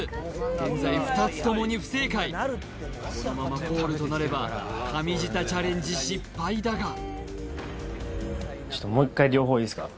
現在２つともに不正解このままコールとなれば神舌チャレンジ失敗だがちょっともう一回両方いいですか？